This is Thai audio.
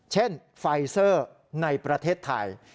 ไฟเซอร์ในประเทศไทย